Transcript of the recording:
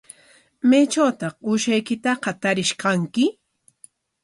¿Maytrawtaq uushaykitaqa tarish kanki?